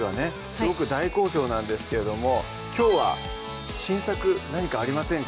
すごく大好評なんですけれどもきょうは新作何かありませんか？